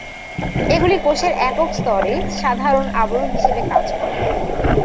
এগুলি কোষের একক স্তরে সাধারণ আবরণ হিসাবে কাজ করে।